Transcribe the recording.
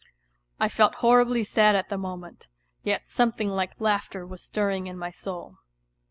..." I felt horribly sad at that moment, yet something like laughter was stirring in my soul.